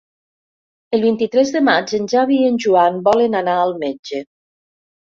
El vint-i-tres de maig en Xavi i en Joan volen anar al metge.